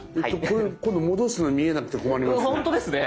これ今度戻すのに見えなくて困りますね。